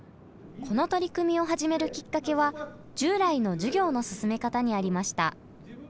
この取り組みを始めるきっかけは従来の授業の進め方にありました。